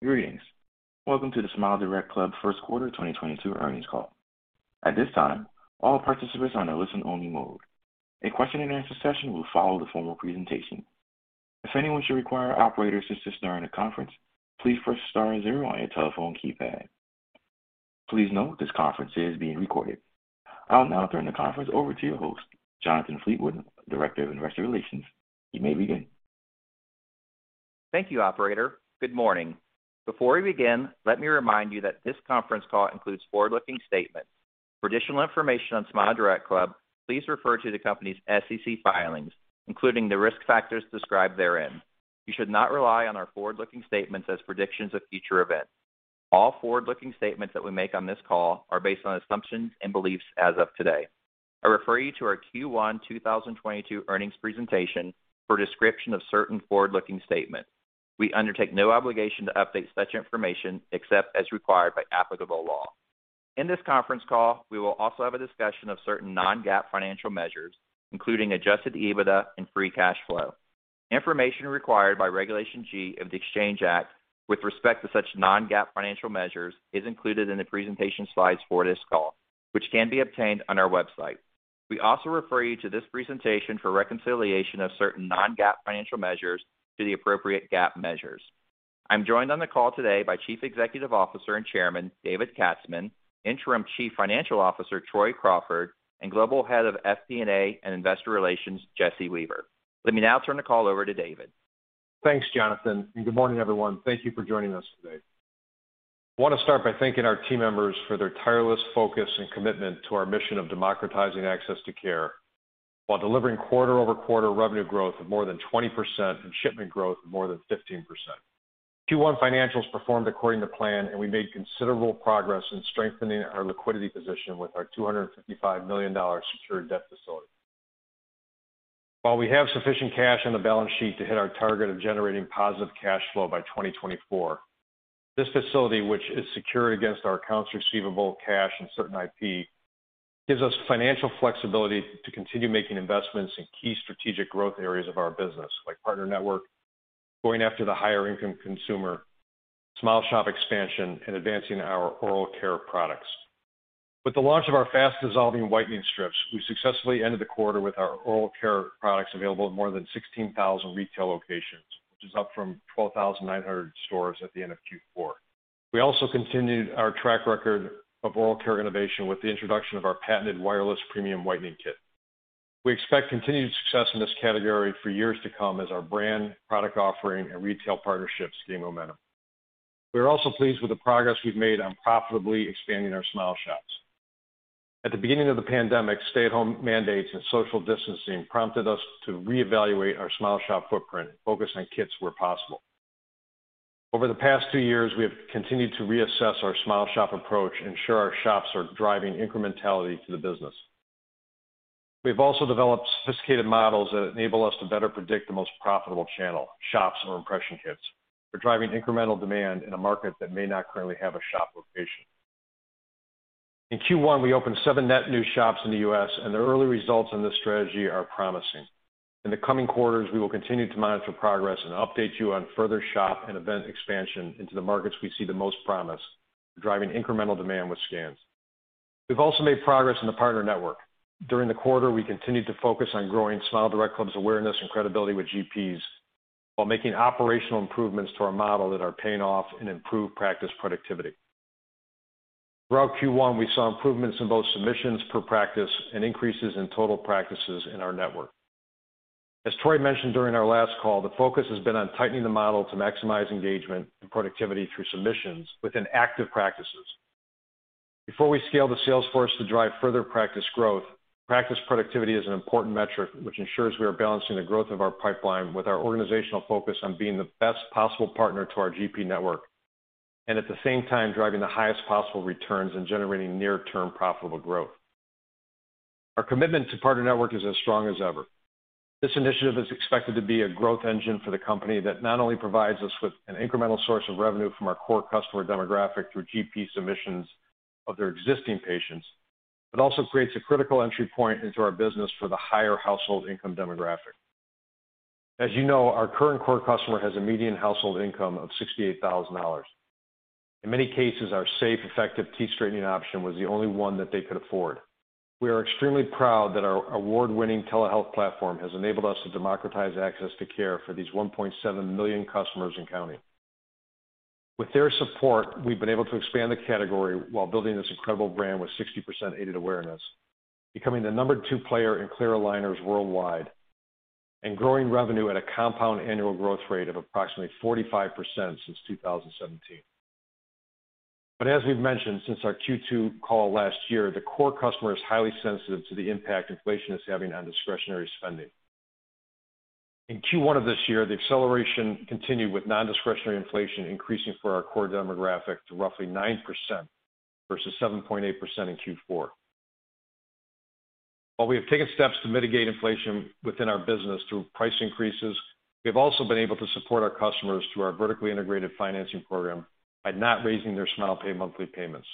Greetings. Welcome to the SmileDirectClub first quarter 2022 earnings call. At this time, all participants are in a listen-only mode. A question-and-answer session will follow the formal presentation. If anyone should require operator assistance during the conference, please press star zero on your telephone keypad. Please note this conference is being recorded. I'll now turn the conference over to your host, Jonathan Fleetwood, Director of Investor Relations. You may begin. Thank you, operator. Good morning. Before we begin, let me remind you that this conference call includes forward-looking statements. For additional information on SmileDirectClub, please refer to the company's SEC filings, including the risk factors described therein. You should not rely on our forward-looking statements as predictions of future events. All forward-looking statements that we make on this call are based on assumptions and beliefs as of today. I refer you to our Q1 2022 earnings presentation for a description of certain forward-looking statements. We undertake no obligation to update such information except as required by applicable law. In this conference call, we will also have a discussion of certain non-GAAP financial measures, including adjusted EBITDA and free cash flow. Information required by Regulation G of the Exchange Act with respect to such non-GAAP financial measures is included in the presentation slides for this call, which can be obtained on our website. We also refer you to this presentation for reconciliation of certain non-GAAP financial measures to the appropriate GAAP measures. I'm joined on the call today by Chief Executive Officer and Chairman, David Katzman, Interim Chief Financial Officer, Troy Crawford, and Global Head of FP&A and Investor Relations, Jesse Weaver. Let me now turn the call over to David. Thanks, Jonathan, and good morning, everyone. Thank you for joining us today. I want to start by thanking our team members for their tireless focus and commitment to our mission of democratizing access to care while delivering quarter-over-quarter revenue growth of more than 20% and shipment growth of more than 15%. Q1 financials performed according to plan, and we made considerable progress in strengthening our liquidity position with our $255 million secured debt facility. While we have sufficient cash on the balance sheet to hit our target of generating positive cash flow by 2024, this facility, which is secured against our accounts receivable, cash, and certain IP, gives us financial flexibility to continue making investments in key strategic growth areas of our business, like partner network, going after the higher income consumer, SmileShop expansion, and advancing our oral care products. With the launch of our fast-dissolving whitening strips, we successfully ended the quarter with our oral care products available in more than 16,000 retail locations, which is up from 12,900 stores at the end of Q4. We also continued our track record of oral care innovation with the introduction of our patented wireless premium whitening kit. We expect continued success in this category for years to come as our brand, product offering, and retail partnerships gain momentum. We are also pleased with the progress we've made on profitably expanding our SmileShops. At the beginning of the pandemic, stay-at-home mandates and social distancing prompted us to reevaluate our SmileShop footprint and focus on kits where possible. Over the past two years, we have continued to reassess our SmileShop approach and ensure our shops are driving incrementality to the business. We've also developed sophisticated models that enable us to better predict the most profitable channel, shops or impression kits, for driving incremental demand in a market that may not currently have a shop location. In Q1, we opened seven net new shops in the U.S., and the early results on this strategy are promising. In the coming quarters, we will continue to monitor progress and update you on further shop and event expansion into the markets we see the most promise for driving incremental demand with scans. We've also made progress in the partner network. During the quarter, we continued to focus on growing SmileDirectClub's awareness and credibility with GPs while making operational improvements to our model that are paying off in improved practice productivity. Throughout Q1, we saw improvements in both submissions per practice and increases in total practices in our network. As Troy mentioned during our last call, the focus has been on tightening the model to maximize engagement and productivity through submissions within active practices. Before we scale the sales force to drive further practice growth, practice productivity is an important metric which ensures we are balancing the growth of our pipeline with our organizational focus on being the best possible partner to our GP network and at the same time driving the highest possible returns and generating near-term profitable growth. Our commitment to partner network is as strong as ever. This initiative is expected to be a growth engine for the company that not only provides us with an incremental source of revenue from our core customer demographic through GP submissions of their existing patients, but also creates a critical entry point into our business for the higher household income demographic. As you know, our current core customer has a median household income of $68,000. In many cases, our safe, effective teeth straightening option was the only one that they could afford. We are extremely proud that our award-winning telehealth platform has enabled us to democratize access to care for these 1.7 million customers and counting. With their support, we've been able to expand the category while building this incredible brand with 60% aided awareness, becoming the number two player in clear aligners worldwide and growing revenue at a compound annual growth rate of approximately 45% since 2017. As we've mentioned since our Q2 call last year, the core customer is highly sensitive to the impact inflation is having on discretionary spending. In Q1 of this year, the acceleration continued with non-discretionary inflation increasing for our core demographic to roughly 9% versus 7.8% in Q4. While we have taken steps to mitigate inflation within our business through price increases, we have also been able to support our customers through our vertically integrated financing program by not raising their SmilePay monthly payments.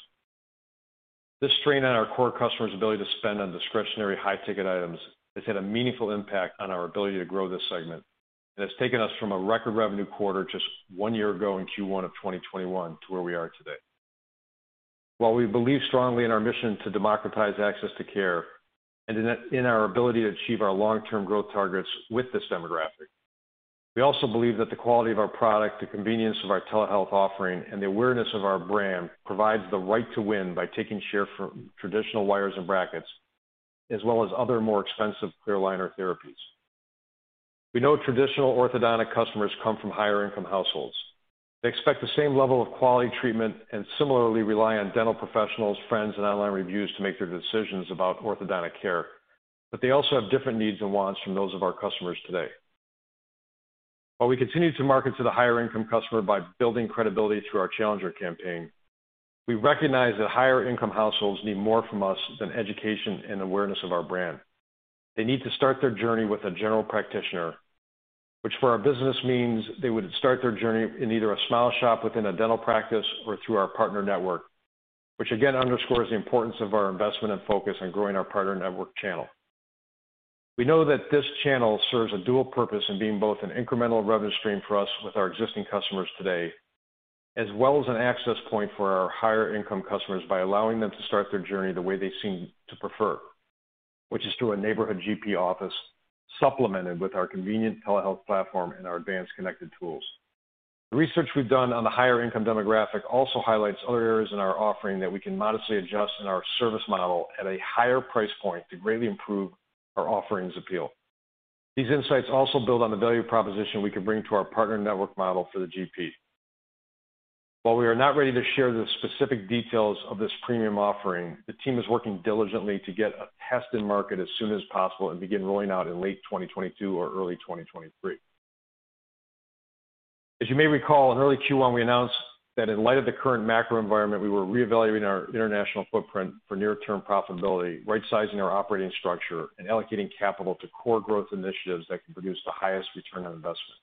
This strain on our core customers' ability to spend on discretionary high-ticket items has had a meaningful impact on our ability to grow this segment, and it's taken us from a record revenue quarter just one year ago in Q1 of 2021 to where we are today. While we believe strongly in our mission to democratize access to care and in our ability to achieve our long-term growth targets with this demographic, we also believe that the quality of our product, the convenience of our telehealth offering, and the awareness of our brand provides the right to win by taking share from traditional wires and brackets, as well as other more expensive clear aligner therapies. We know traditional orthodontic customers come from higher income households. They expect the same level of quality treatment and similarly rely on dental professionals, friends, and online reviews to make their decisions about orthodontic care. They also have different needs and wants from those of our customers today. While we continue to market to the higher income customer by building credibility through our challenger campaign, we recognize that higher income households need more from us than education and awareness of our brand. They need to start their journey with a general practitioner, which for our business means they would start their journey in either a SmileShop within a dental practice or through our partner network, which again underscores the importance of our investment and focus on growing our partner network channel. We know that this channel serves a dual purpose in being both an incremental revenue stream for us with our existing customers today, as well as an access point for our higher income customers by allowing them to start their journey the way they seem to prefer, which is through a neighborhood GP office, supplemented with our convenient telehealth platform and our advanced connected tools. The research we've done on the higher income demographic also highlights other areas in our offering that we can modestly adjust in our service model at a higher price point to greatly improve our offering's appeal. These insights also build on the value proposition we can bring to our partner network model for the GP. While we are not ready to share the specific details of this premium offering, the team is working diligently to get a test in market as soon as possible and begin rolling out in late 2022 or early 2023. As you may recall, in early Q1, we announced that in light of the current macro environment, we were reevaluating our international footprint for near-term profitability, rightsizing our operating structure, and allocating capital to core growth initiatives that can produce the highest return on investment.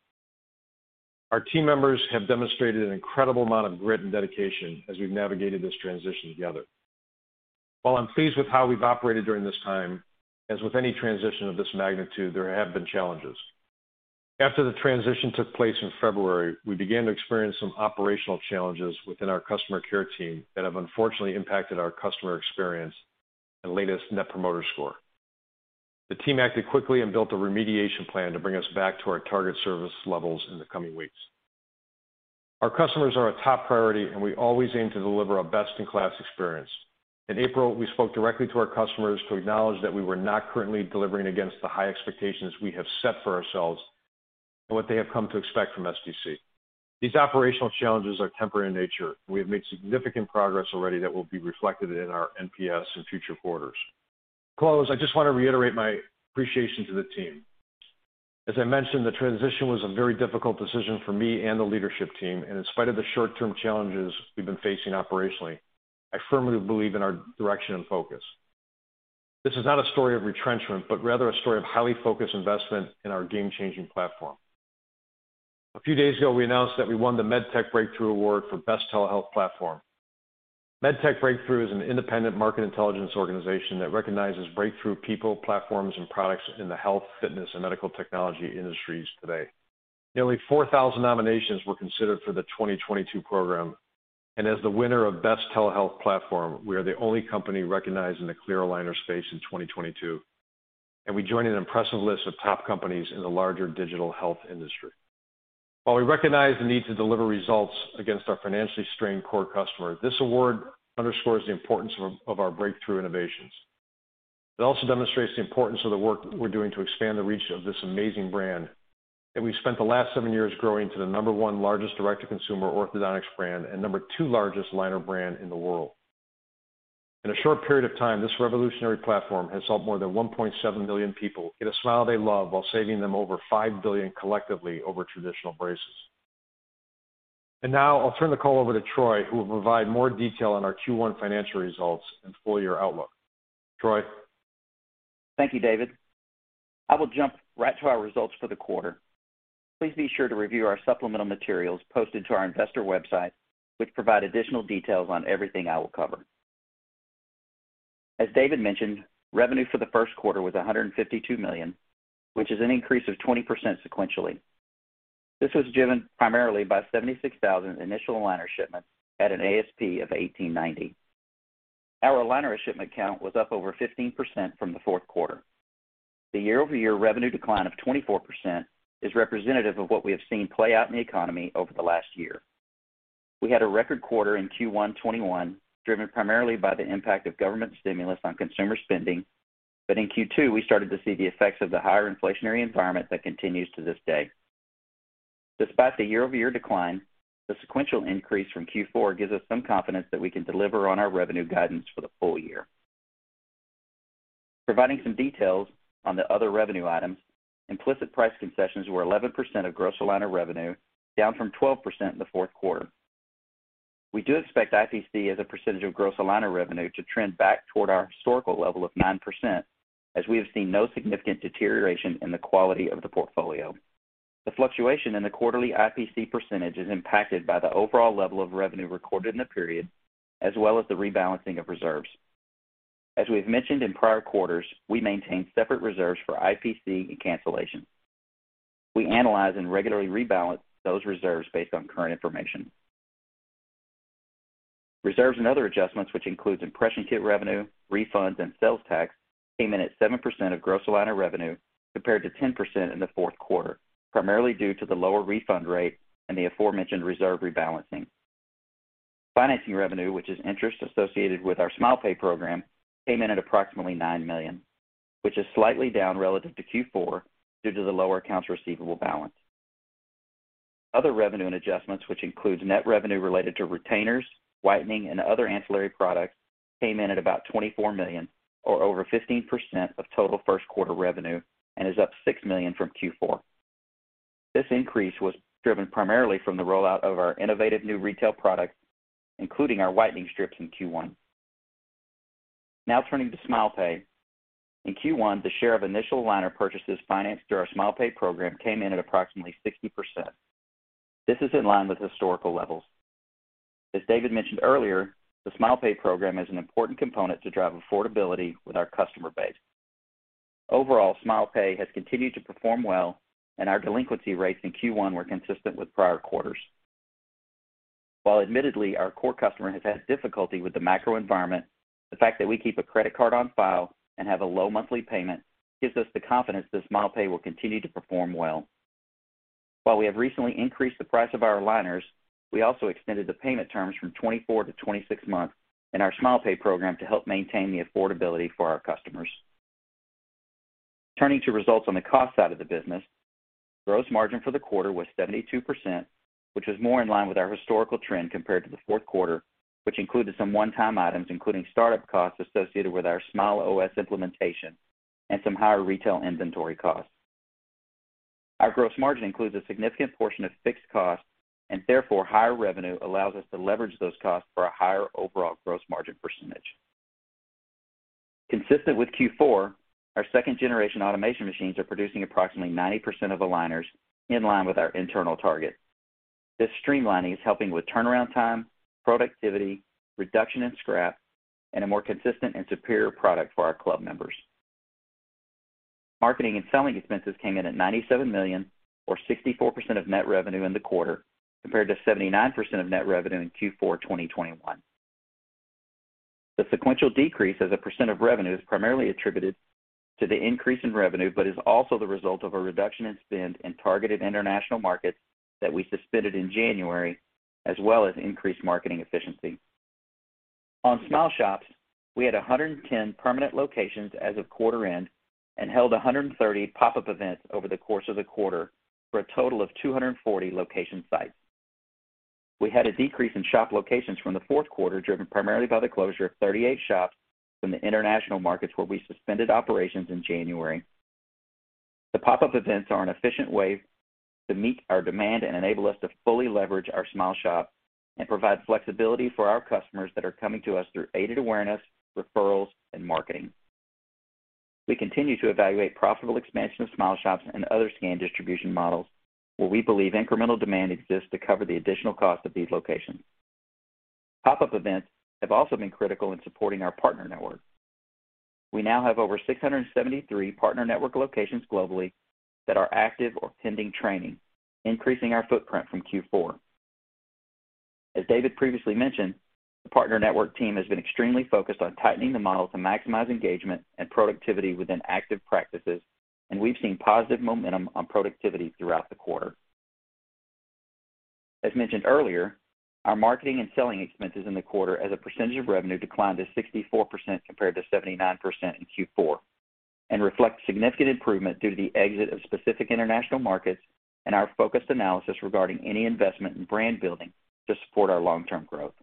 Our team members have demonstrated an incredible amount of grit and dedication as we've navigated this transition together. While I'm pleased with how we've operated during this time, as with any transition of this magnitude, there have been challenges. After the transition took place in February, we began to experience some operational challenges within our customer care team that have unfortunately impacted our customer experience and latest net promoter score. The team acted quickly and built a remediation plan to bring us back to our target service levels in the coming weeks. Our customers are our top priority, and we always aim to deliver a best-in-class experience. In April, we spoke directly to our customers to acknowledge that we were not currently delivering against the high expectations we have set for ourselves and what they have come to expect from SDC. These operational challenges are temporary in nature. We have made significant progress already that will be reflected in our NPS in future quarters. To close, I just want to reiterate my appreciation to the team. As I mentioned, the transition was a very difficult decision for me and the leadership team, and in spite of the short-term challenges we've been facing operationally, I firmly believe in our direction and focus. This is not a story of retrenchment, but rather a story of highly focused investment in our game-changing platform. A few days ago, we announced that we won the MedTech Breakthrough Award for Best Telehealth Platform. MedTech Breakthrough is an independent market intelligence organization that recognizes breakthrough people, platforms, and products in the health, fitness, and medical technology industries today. Nearly 4,000 nominations were considered for the 2022 program, and as the winner of Best Telehealth Platform, we are the only company recognized in the clear aligner space in 2022, and we join an impressive list of top companies in the larger digital health industry. While we recognize the need to deliver results against our financially strained core customer, this award underscores the importance of our breakthrough innovations. It also demonstrates the importance of the work we're doing to expand the reach of this amazing brand that we've spent the last seven years growing to the number one largest direct-to-consumer orthodontics brand and number two largest aligner brand in the world. In a short period of time, this revolutionary platform has helped more than 1.7 million people get a smile they love while saving them over $5 billion collectively over traditional braces. Now I'll turn the call over to Troy, who will provide more detail on our Q1 financial results and full year outlook. Troy? Thank you, David. I will jump right to our results for the quarter. Please be sure to review our supplemental materials posted to our investor website, which provide additional details on everything I will cover. As David mentioned, revenue for the first quarter was $152 million, which is an increase of 20% sequentially. This was driven primarily by 76,000 initial aligner shipments at an ASP of $1,890. Our aligner shipment count was up over 15% from the fourth quarter. The year-over-year revenue decline of 24% is representative of what we have seen play out in the economy over the last year. We had a record quarter in Q1 2021, driven primarily by the impact of government stimulus on consumer spending. In Q2, we started to see the effects of the higher inflationary environment that continues to this day. Despite the year-over-year decline, the sequential increase from Q4 gives us some confidence that we can deliver on our revenue guidance for the full year. Providing some details on the other revenue items, implicit price concessions were 11% of gross aligner revenue, down from 12% in the fourth quarter. We do expect IPC as a percentage of gross aligner revenue to trend back toward our historical level of 9%, as we have seen no significant deterioration in the quality of the portfolio. The fluctuation in the quarterly IPC percentage is impacted by the overall level of revenue recorded in the period, as well as the rebalancing of reserves. As we have mentioned in prior quarters, we maintain separate reserves for IPC and cancellation. We analyze and regularly rebalance those reserves based on current information. Reserves and other adjustments, which includes impression kit revenue, refunds, and sales tax, came in at 7% of gross aligner revenue compared to 10% in the fourth quarter, primarily due to the lower refund rate and the aforementioned reserve rebalancing. Financing revenue, which is interest associated with our SmilePay program, came in at approximately $9 million, which is slightly down relative to Q4 due to the lower accounts receivable balance. Other revenue and adjustments, which includes net revenue related to retainers, whitening, and other ancillary products, came in at about $24 million or over 15% of total first quarter revenue and is up $6 million from Q4. This increase was driven primarily from the rollout of our innovative new retail product, including our whitening strips in Q1. Now turning to SmilePay. In Q1, the share of initial aligner purchases financed through our SmilePay program came in at approximately 60%. This is in line with historical levels. As David mentioned earlier, the SmilePay program is an important component to drive affordability with our customer base. Overall, SmilePay has continued to perform well, and our delinquency rates in Q1 were consistent with prior quarters. While admittedly, our core customer has had difficulty with the macro environment, the fact that we keep a credit card on file and have a low monthly payment gives us the confidence that SmilePay will continue to perform well. While we have recently increased the price of our aligners, we also extended the payment terms from 24-26 months in our SmilePay program to help maintain the affordability for our customers. Turning to results on the cost side of the business, gross margin for the quarter was 72%, which is more in line with our historical trend compared to the fourth quarter, which included some one-time items, including startup costs associated with our SmileOS implementation and some higher retail inventory costs. Our gross margin includes a significant portion of fixed costs, and therefore, higher revenue allows us to leverage those costs for a higher overall gross margin percentage. Consistent with Q4, our second-generation automation machines are producing approximately 90% of aligners in line with our internal target. This streamlining is helping with turnaround time, productivity, reduction in scrap, and a more consistent and superior product for our club members. Marketing and selling expenses came in at $97 million or 64% of net revenue in the quarter compared to 79% of net revenue in Q4 2021. The sequential decrease as a % of revenue is primarily attributed to the increase in revenue but is also the result of a reduction in spend in targeted international markets that we suspended in January, as well as increased marketing efficiency. On SmileShops, we had 110 permanent locations as of quarter end and held 130 pop-up events over the course of the quarter for a total of 240 location sites. We had a decrease in shop locations from the fourth quarter, driven primarily by the closure of 38 shops from the international markets where we suspended operations in January. The pop-up events are an efficient way to meet our demand and enable us to fully leverage our SmileShop and provide flexibility for our customers that are coming to us through aided awareness, referrals, and marketing. We continue to evaluate profitable expansion of SmileShops and other scan distribution models where we believe incremental demand exists to cover the additional cost of these locations. Pop-up events have also been critical in supporting our partner network. We now have over 673 partner network locations globally that are active or pending training, increasing our footprint from Q4. As David previously mentioned, the partner network team has been extremely focused on tightening the model to maximize engagement and productivity within active practices, and we've seen positive momentum on productivity throughout the quarter. As mentioned earlier, our marketing and selling expenses in the quarter as a percentage of revenue declined to 64% compared to 79% in Q4 and reflect significant improvement due to the exit of specific international markets and our focused analysis regarding any investment in brand building to support our long-term growth.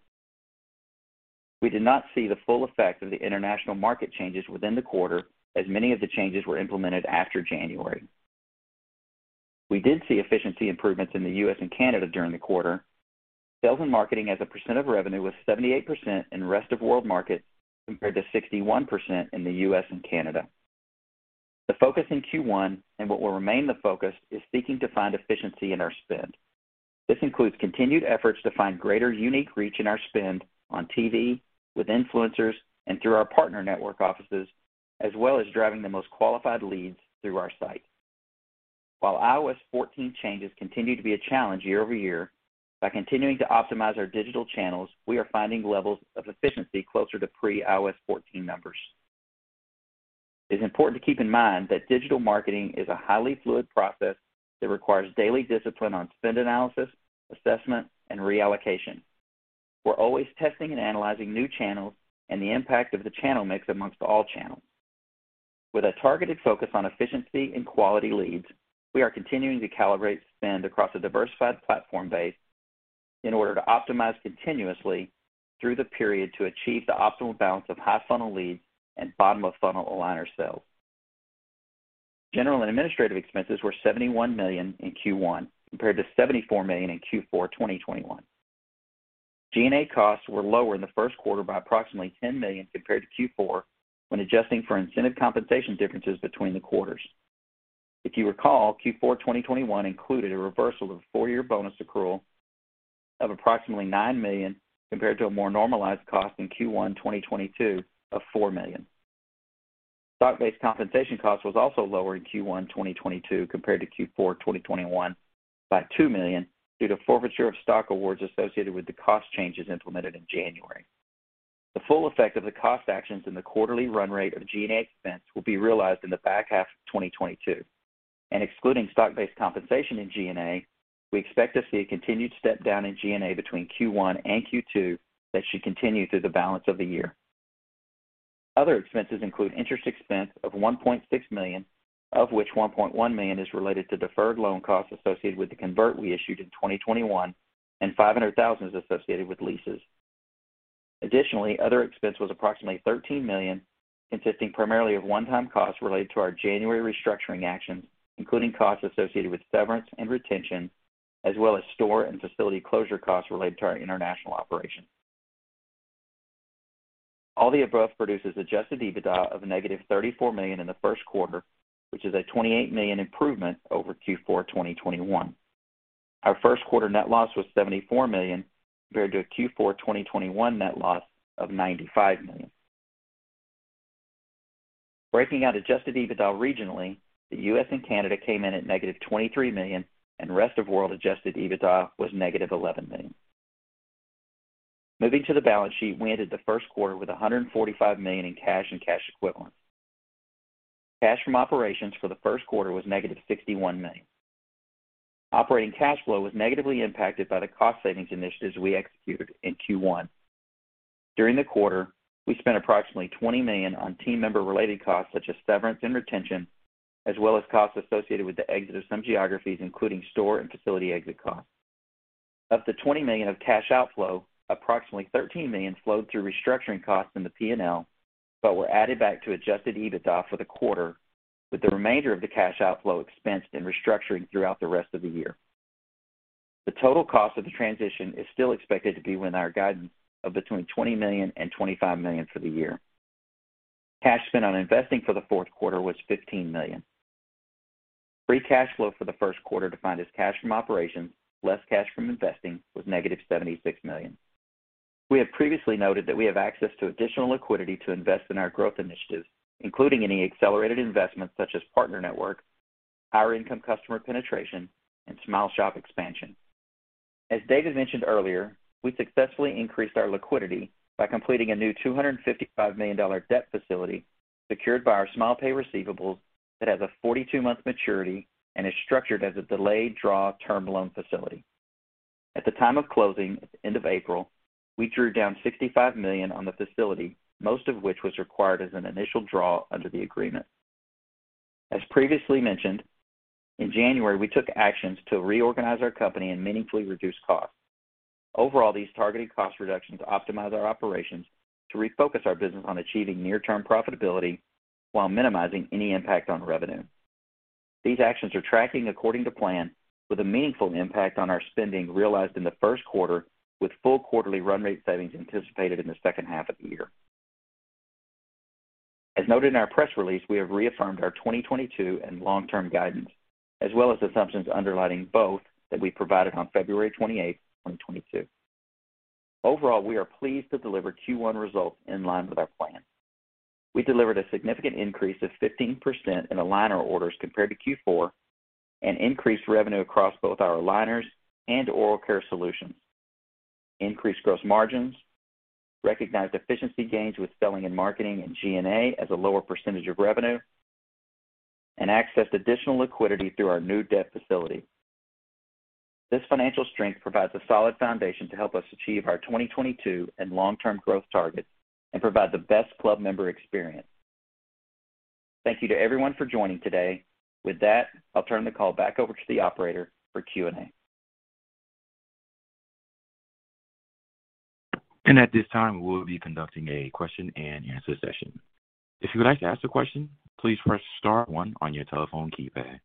We did not see the full effect of the international market changes within the quarter as many of the changes were implemented after January. We did see efficiency improvements in the U.S. and Canada during the quarter. Sales and marketing as a percent of revenue was 78% in rest of world markets compared to 61% in the U.S. and Canada. The focus in Q1, and what will remain the focus, is seeking to find efficiency in our spend. This includes continued efforts to find greater unique reach in our spend on TV, with influencers, and through our partner network offices, as well as driving the most qualified leads through our site. While iOS 14 changes continue to be a challenge year-over-year, by continuing to optimize our digital channels, we are finding levels of efficiency closer to pre-iOS 14 numbers. It is important to keep in mind that digital marketing is a highly fluid process that requires daily discipline on spend analysis, assessment, and reallocation. We're always testing and analyzing new channels and the impact of the channel mix amongst all channels. With a targeted focus on efficiency and quality leads, we are continuing to calibrate spend across a diversified platform base in order to optimize continuously through the period to achieve the optimal balance of high funnel leads and bottom-of-funnel aligner sales. General and administrative expenses were $71 million in Q1 compared to $74 million in Q4 2021. G&A costs were lower in the first quarter by approximately $10 million compared to Q4 when adjusting for incentive compensation differences between the quarters. If you recall, Q4 2021 included a reversal of four-year bonus accrual of approximately $9 million, compared to a more normalized cost in Q1 2022 of $4 million. Stock-based compensation cost was also lower in Q1 2022 compared to Q4 2021 by $2 million due to forfeiture of stock awards associated with the cost changes implemented in January. The full effect of the cost actions in the quarterly run rate of G&A expense will be realized in the back half of 2022. Excluding stock-based compensation in G&A, we expect to see a continued step down in G&A between Q1 and Q2 that should continue through the balance of the year. Other expenses include interest expense of $1.6 million, of which $1.1 million is related to deferred loan costs associated with the convert we issued in 2021, and $500,000 is associated with leases. Additionally, other expense was approximately $13 million, consisting primarily of one-time costs related to our January restructuring actions, including costs associated with severance and retention, as well as store and facility closure costs related to our international operations. All the above produces adjusted EBITDA of a negative $34 million in the first quarter, which is a $28 million improvement over Q4 2021. Our first quarter net loss was $74 million, compared to a Q4 2021 net loss of $95 million. Breaking out adjusted EBITDA regionally, the U.S. and Canada came in at negative $23 million, and rest of world adjusted EBITDA was negative $11 million. Moving to the balance sheet, we ended the first quarter with $145 million in cash and cash equivalents. Cash from operations for the first quarter was negative $61 million. Operating cash flow was negatively impacted by the cost savings initiatives we executed in Q1. During the quarter, we spent approximately $20 million on team member-related costs such as severance and retention, as well as costs associated with the exit of some geographies, including store and facility exit costs. Of the $20 million of cash outflow, approximately $13 million flowed through restructuring costs in the P&L, but were added back to adjusted EBITDA for the quarter, with the remainder of the cash outflow expensed in restructuring throughout the rest of the year. The total cost of the transition is still expected to be within our guidance of between $20 million and $25 million for the year. Cash spent on investing for the fourth quarter was $15 million. Free cash flow for the first quarter, defined as cash from operations, less cash from investing, was negative $76 million. We have previously noted that we have access to additional liquidity to invest in our growth initiatives, including any accelerated investments such as partner network, higher income customer penetration, and SmileShop expansion. As David mentioned earlier, we successfully increased our liquidity by completing a new $255 million debt facility secured by our SmilePay receivables that has a 42-month maturity and is structured as a delayed draw term loan facility. At the time of closing at the end of April, we drew down $65 million on the facility, most of which was required as an initial draw under the agreement. As previously mentioned, in January, we took actions to reorganize our company and meaningfully reduce costs. Overall, these targeted cost reductions optimize our operations to refocus our business on achieving near-term profitability while minimizing any impact on revenue. These actions are tracking according to plan with a meaningful impact on our spending realized in the first quarter, with full quarterly run rate savings anticipated in the second half of the year. As noted in our press release, we have reaffirmed our 2022 and long-term guidance, as well as assumptions underlying both that we provided on February 28, 2022. Overall, we are pleased to deliver Q1 results in line with our plan. We delivered a significant increase of 15% in aligner orders compared to Q4 and increased revenue across both our aligners and oral care solutions, increased gross margins, recognized efficiency gains with selling and marketing and G&A as a lower percentage of revenue, and accessed additional liquidity through our new debt facility. This financial strength provides a solid foundation to help us achieve our 2022 and long-term growth targets and provide the best club member experience. Thank you to everyone for joining today. With that, I'll turn the call back over to the operator for Q&A. At this time, we will be conducting a question and answer session. If you would like to ask a question, please press star one on your telephone keypad.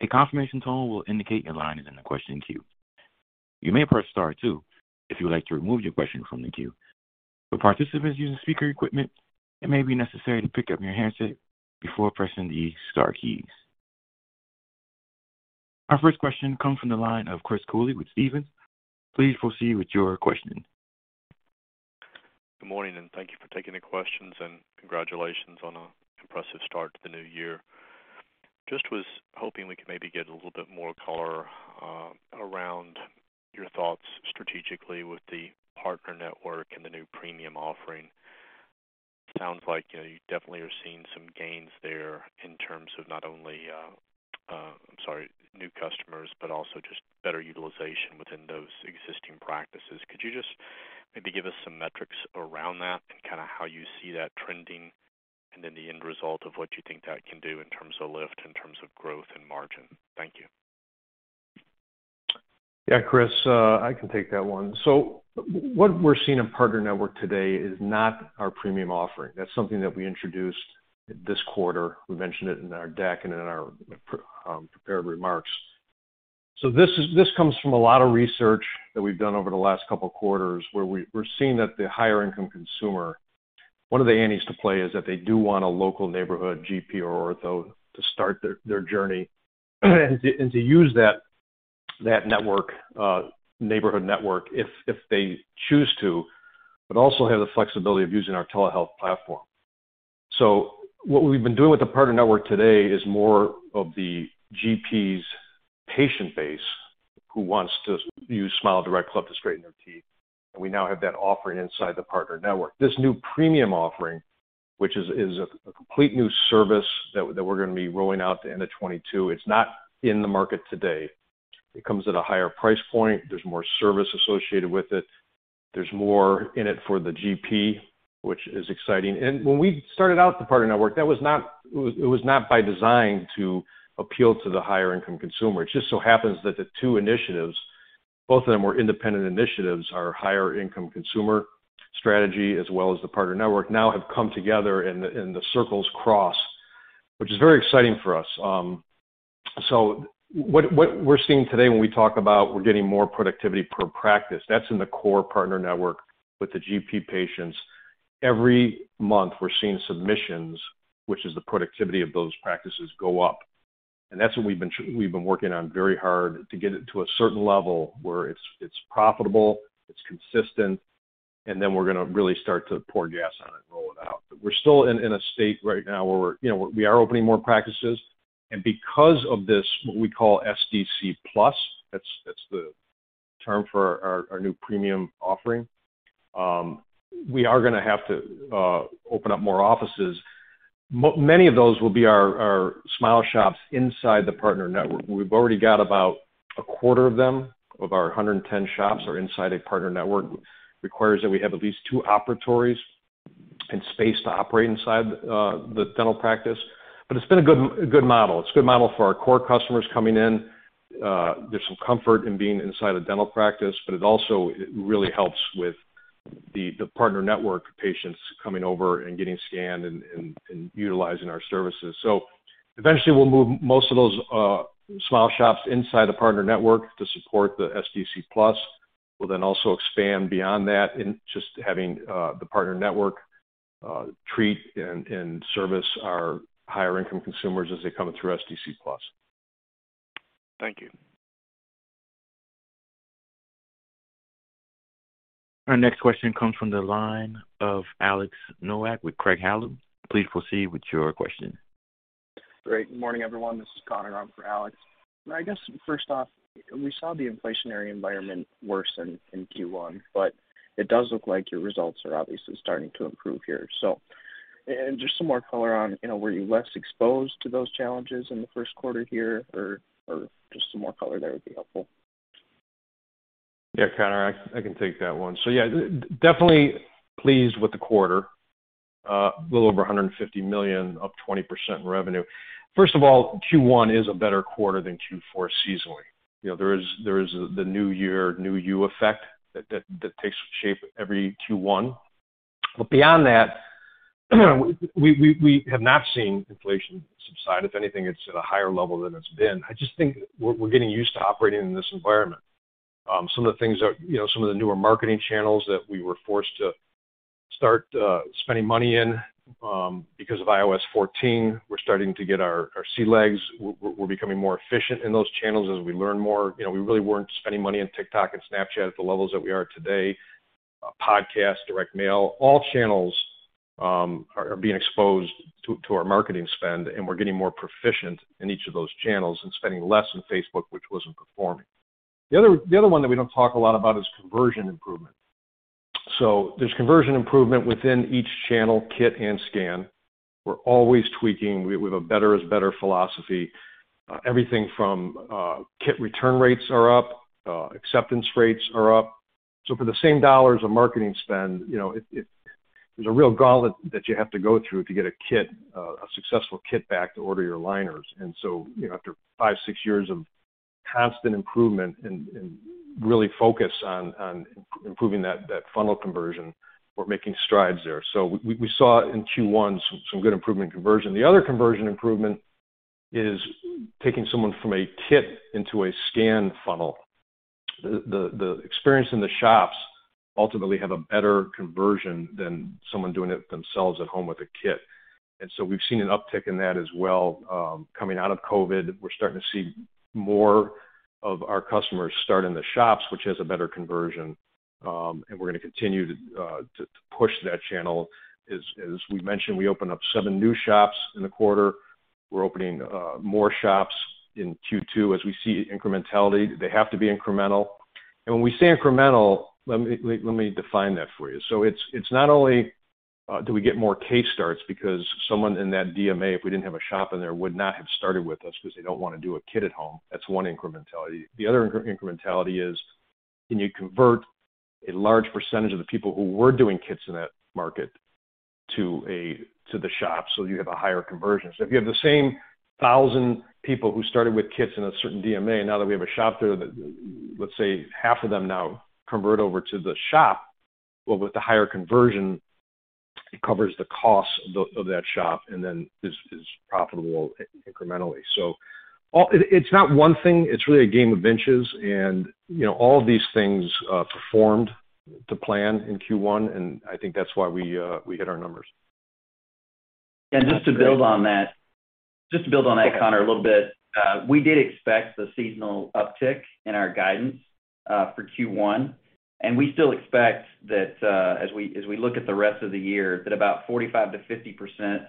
A confirmation tone will indicate your line is in the question queue. You may press star two if you would like to remove your question from the queue. For participants using speaker equipment, it may be necessary to pick up your handset before pressing the star keys. Our first question comes from the line of Chris Cooley with Stephens. Please proceed with your question. Good morning, and thank you for taking the questions, and congratulations on an impressive start to the new year. Just was hoping we could maybe get a little bit more color around your thoughts strategically with the partner network and the new premium offering. Sounds like, you know, you definitely are seeing some gains there in terms of not only, I'm sorry, new customers, but also just better utilization within those existing practices. Could you just maybe give us some metrics around that and kind of how you see that trending, and then the end result of what you think that can do in terms of lift, in terms of growth and margin? Thank you. Yeah, Chris, I can take that one. What we're seeing in partner network today is not our premium offering. That's something that we introduced this quarter. We mentioned it in our deck and in our prepared remarks. This comes from a lot of research that we've done over the last couple quarters where we're seeing that the higher income consumer, one of the angles to play is that they do want a local neighborhood GP or ortho to start their journey and to use that network, neighborhood network if they choose to, but also have the flexibility of using our telehealth platform. What we've been doing with the partner network today is more of the GP's patient base who wants to use SmileDirectClub to straighten their teeth. We now have that offering inside the partner network. This new premium offering, which is a complete new service that we're gonna be rolling out at the end of 2022. It's not in the market today. It comes at a higher price point. There's more service associated with it. There's more in it for the GP, which is exciting. When we started out the partner network, it was not by design to appeal to the higher income consumer. It just so happens that the two initiatives, both of them were independent initiatives, our higher income consumer strategy as well as the partner network now have come together and the circles cross, which is very exciting for us. What we're seeing today when we talk about we're getting more productivity per practice, that's in the core partner network with the GP patients. Every month, we're seeing submissions, which is the productivity of those practices go up. That's what we've been working on very hard to get it to a certain level where it's profitable, it's consistent, and then we're gonna really start to pour gas on it and roll it out. We're still in a state right now where we're, you know, we are opening more practices. Because of this, what we call SDC Plus, that's the term for our new premium offering, we are gonna have to open up more offices. Many of those will be our Smile Shops inside the partner network. We've already got about a quarter of them, of our 110 shops are inside a partner network. Requires that we have at least two operatories and space to operate inside the dental practice. It's been a good model. It's a good model for our core customers coming in. There's some comfort in being inside a dental practice, but it also really helps with the partner network patients coming over and getting scanned and utilizing our services. Eventually, we'll move most of those Smile Shops inside the partner network to support the SDC Plus. We'll then also expand beyond that in just having the partner network treat and service our higher income consumers as they come in through SDC Plus. Thank you. Our next question comes from the line of Alex Nowak with Craig-Hallum. Please proceed with your question. Good morning, everyone. This is Connor on for Alex. I guess, first off, we saw the inflationary environment worsen in Q1, but it does look like your results are obviously starting to improve here. Just some more color on, you know, were you less exposed to those challenges in the first quarter here or just some more color there would be helpful? Yeah, Connor, I can take that one. Yeah, definitely pleased with the quarter, a little over $150 million, up 20% in revenue. First of all, Q1 is a better quarter than Q4 seasonally. You know, there is the new year, new you effect that takes shape every Q1. Beyond that, we have not seen inflation subside. If anything, it's at a higher level than it's been. I just think we're getting used to operating in this environment. You know, some of the newer marketing channels that we were forced to start spending money in because of iOS 14, we're starting to get our sea legs. We're becoming more efficient in those channels as we learn more. You know, we really weren't spending money on TikTok and Snapchat at the levels that we are today. Podcast, direct mail, all channels are being exposed to our marketing spend, and we're getting more proficient in each of those channels and spending less on Facebook, which wasn't performing. The other one that we don't talk a lot about is conversion improvement. There's conversion improvement within each channel, kit, and scan. We're always tweaking. We have a better is better philosophy. Everything from kit return rates are up, acceptance rates are up. For the same dollars of marketing spend, you know, there's a real gauntlet that you have to go through if you get a kit, a successful kit back to order your aligners. You know, after five, six years of constant improvement and really focus on improving that funnel conversion, we're making strides there. We saw in Q1 some good improvement in conversion. The other conversion improvement is taking someone from a kit into a scan funnel. The experience in the shops ultimately have a better conversion than someone doing it themselves at home with a kit. We've seen an uptick in that as well, coming out of COVID. We're starting to see more of our customers start in the shops, which has a better conversion. We're gonna continue to push that channel. As we mentioned, we opened up seven new shops in the quarter. We're opening more shops in Q2 as we see incrementality. They have to be incremental. When we say incremental, let me define that for you. It's not only do we get more case starts because someone in that DMA, if we didn't have a shop in there, would not have started with us 'cause they don't wanna do a kit at home. That's one incrementality. The other incrementality is, can you convert a large percentage of the people who were doing kits in that market to a, to the shop so you have a higher conversion? If you have the same 1,000 people who started with kits in a certain DMA, now that we have a shop there that, let's say half of them now convert over to the shop. Well, with the higher conversion, it covers the cost of that shop, and then is profitable incrementally. It's not one thing, it's really a game of inches and, you know, all of these things performed to plan in Q1, and I think that's why we hit our numbers. Just to build on that, color, a little bit, we did expect the seasonal uptick in our guidance for Q1, and we still expect that as we look at the rest of the year, that about 45%-50%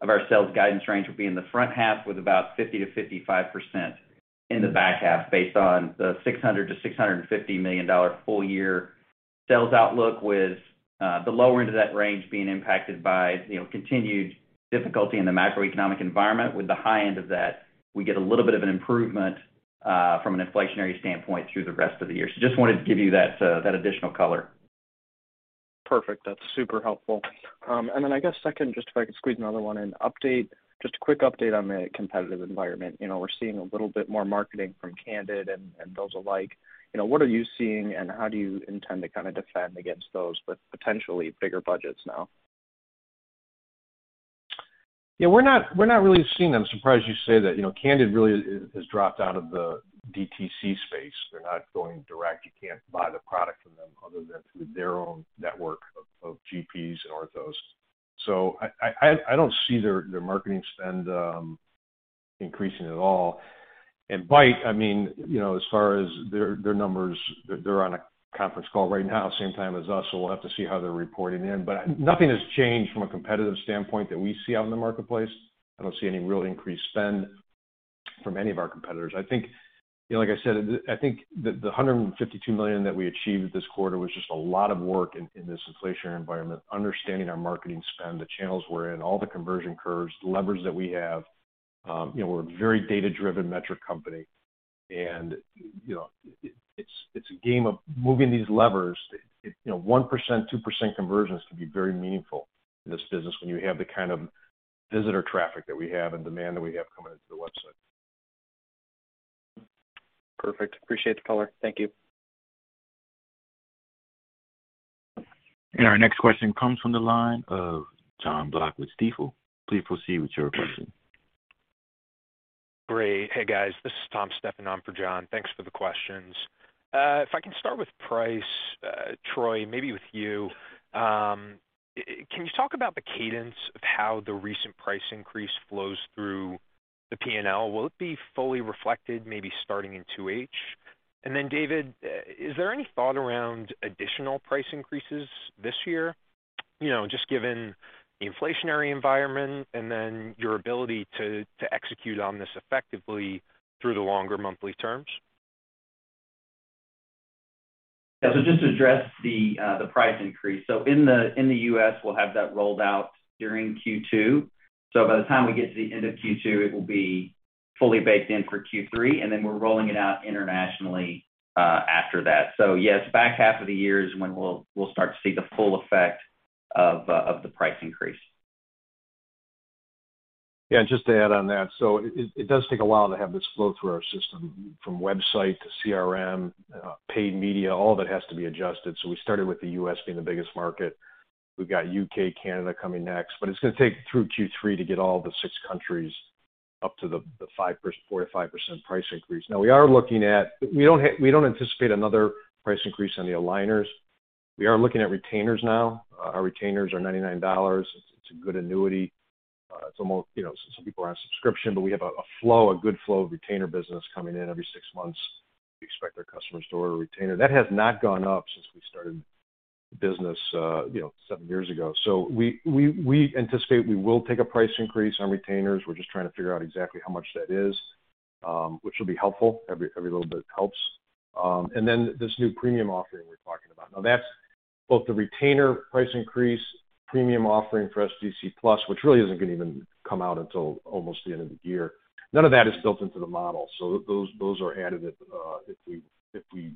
of our sales guidance range will be in the front half with about 50%-55% in the back half based on the $600 million-$650 million full year sales outlook with the lower end of that range being impacted by, you know, continued difficulty in the macroeconomic environment. With the high end of that, we get a little bit of an improvement from an inflationary standpoint through the rest of the year. Just wanted to give you that additional color. Perfect. That's super helpful. I guess second, just if I could squeeze another one in. Update, just a quick update on the competitive environment. You know, we're seeing a little bit more marketing from Candid and those alike. You know, what are you seeing, and how do you intend to kind of defend against those with potentially bigger budgets now? Yeah, we're not really seeing them. Surprised you say that. You know, Candid really has dropped out of the DTC space. They're not going direct. You can't buy the product from them other than through their own network of GPs and orthos. I don't see their marketing spend increasing at all. Byte, I mean, you know, as far as their numbers, they're on a conference call right now, same time as us, so we'll have to see how they're reporting in. Nothing has changed from a competitive standpoint that we see out in the marketplace. I don't see any real increased spend from any of our competitors. I think, you know, like I said, I think the $152 million that we achieved this quarter was just a lot of work in this inflationary environment, understanding our marketing spend, the channels we're in, all the conversion curves, the levers that we have. You know, we're a very data-driven metric company and, you know, it's a game of moving these levers. You know, 1%, 2% conversions can be very meaningful in this business when you have the kind of visitor traffic that we have and demand that we have coming into the website. Perfect. Appreciate the color. Thank you. Our next question comes from the line of Jonathan Block with Stifel. Please proceed with your question. Great. Hey, guys. This is Tom Stephan in for Jon. Thanks for the questions. If I can start with price, Troy, maybe with you. Can you talk about the cadence of how the recent price increase flows through the P&L? Will it be fully reflected maybe starting in 2H? David, is there any thought around additional price increases this year? You know, just given the inflationary environment and then your ability to execute on this effectively through the longer monthly terms. Yeah. Just to address the price increase. In the U.S., we'll have that rolled out during Q2. By the time we get to the end of Q2, it will be fully baked in for Q3, and then we're rolling it out internationally after that. Yes, back half of the year is when we'll start to see the full effect of the price increase. Yeah, just to add on that. It does take a while to have this flow through our system, from website to CRM, paid media, all of it has to be adjusted. We started with the US being the biggest market. We've got U.K., Canada coming next, but it's gonna take through Q3 to get all the six countries up to the four to five percent price increase. Now we are looking at. We don't anticipate another price increase on the aligners. We are looking at retainers now. Our retainers are $99. It's a good annuity. It's a more, you know, some people are on subscription, but we have a good flow of retainer business coming in every six months. We expect our customers to order a retainer. That has not gone up since we started business, you know, seven years ago. We anticipate we will take a price increase on retainers. We're just trying to figure out exactly how much that is, which will be helpful. Every little bit helps. This new premium offering we're talking about. Now that's both the retainer price increase, premium offering for SDC Plus, which really isn't gonna even come out until almost the end of the year. None of that is built into the model, so those are added at, if we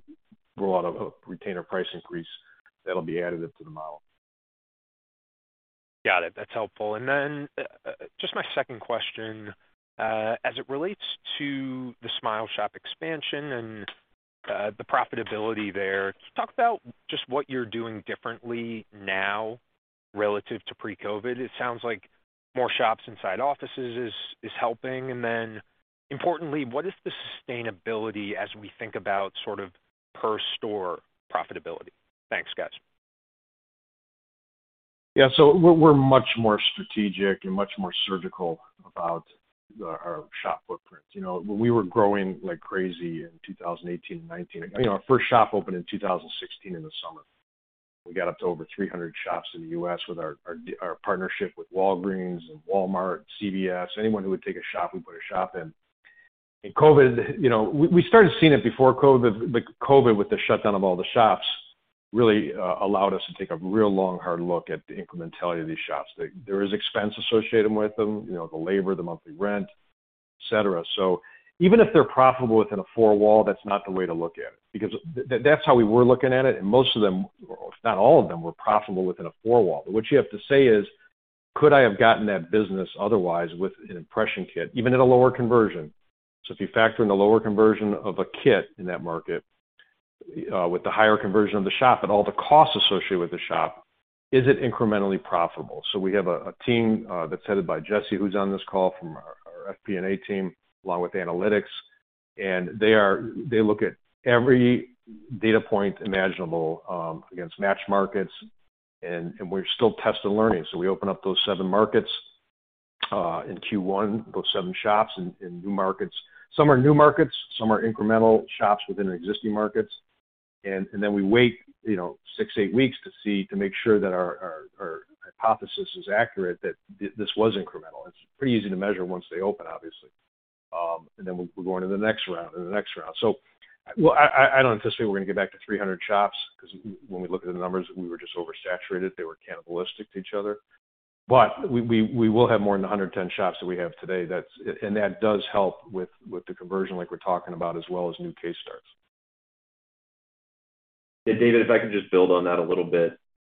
roll out a retainer price increase, that'll be additive to the model. Got it. That's helpful. Just my second question. As it relates to the SmileShop expansion and the profitability there, can you talk about just what you're doing differently now relative to pre-COVID? It sounds like more shops inside offices is helping. Importantly, what is the sustainability as we think about sort of per store profitability? Thanks, guys. Yeah. We're much more strategic and much more surgical about our shop footprint. You know, when we were growing like crazy in 2018 and 2019. You know, our first shop opened in 2016 in the summer. We got up to over 300 shops in the U.S. with our partnership with Walgreens and Walmart, CVS. Anyone who would take a shop, we put a shop in. COVID, you know, we started seeing it before COVID, but COVID, with the shutdown of all the shops, really allowed us to take a real long, hard look at the incrementality of these shops. There is expense associated with them, you know, the labor, the monthly rent, et cetera. Even if they're profitable within a four-wall, that's not the way to look at it because that's how we were looking at it, and most of them, if not all of them, were profitable within a four-wall. What you have to say is, could I have gotten that business otherwise with an impression kit, even at a lower conversion? If you factor in the lower conversion of a kit in that market, with the higher conversion of the shop and all the costs associated with the shop, is it incrementally profitable? We have a team that's headed by Jesse, who's on this call from our FP&A team, along with analytics. They look at every data point imaginable against matched markets, and we're still test and learn. We open up those seven markets in Q1, those seven shops in new markets. Some are new markets, some are incremental shops within our existing markets. Then we wait, you know, six-eight weeks to see, to make sure that our hypothesis is accurate that this was incremental. It's pretty easy to measure once they open, obviously. Then we're going to the next round. Well, I don't anticipate we're gonna get back to 300 shops because when we look at the numbers, we were just oversaturated. They were cannibalistic to each other. We will have more than the 110 shops that we have today. That's. That does help with the conversion like we're talking about, as well as new case starts. Yeah, David, if I could just build on that a little bit.